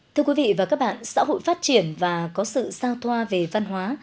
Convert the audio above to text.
thưa quý vị và các bạn xã hội phát triển và có sự giao thoa về văn hóa